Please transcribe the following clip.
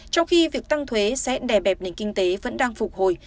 trong khi việc tăng thuế sẽ đè bẹp nền kinh tế vẫn đang phục hồi